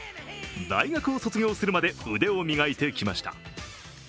大学を卒業するまで腕を磨いてきました。